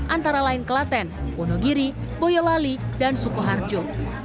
antara lain kelaten wonogiri boyolali dan sukoharjo